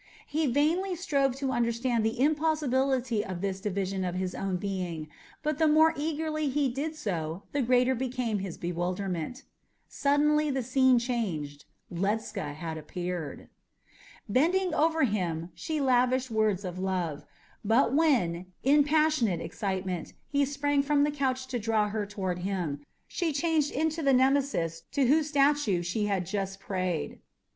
He vainly strove to understand the impossibility of this division of his own being, but the more eagerly he did so the greater became his bewilderment. Suddenly the scene changed; Ledscha had appeared. Bending over him, she lavished words of love; but when, in passionate excitement, he sprang from the couch to draw her toward him, she changed into the Nemesis to whose statue she had just prayed.